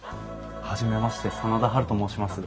初めまして真田ハルと申します。